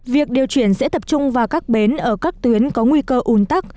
việc điều chuyển sẽ tập trung vào các bến ở các tuyến có nguy cơ ùn tắc